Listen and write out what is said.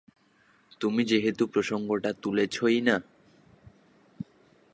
তুমি যেহেতু প্রসঙ্গটা তুলেছই, না।